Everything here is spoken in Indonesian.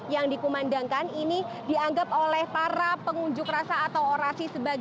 yang dikumandangkan ini dianggap oleh para pengunjuk rasa atau orasi